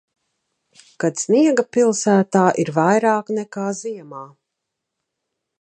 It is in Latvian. Kad sniega pilsētā ir vairāk nekā ziemā.